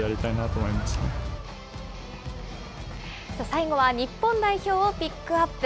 最後は日本代表をピックアップ。